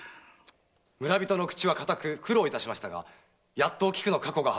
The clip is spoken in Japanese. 村人の口は堅く苦労しましたがおきくの過去が判明しました。